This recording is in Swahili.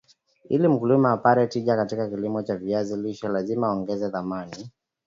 Ili mkulima apate tija katika kilimo cha viazi lishe lazima aongeze thamani